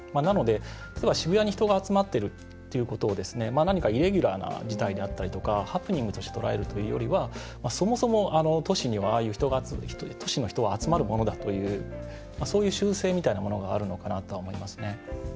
ただ、渋谷に人が集まっているということを何かイレギュラーな事態であったりとかハプニングとして捉えるというよりはそもそも都市に人は集まるものだというそういう習性みたいなものがあるのかなと思いますね。